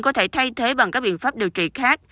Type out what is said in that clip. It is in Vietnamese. có thể thay thế bằng các biện pháp điều trị khác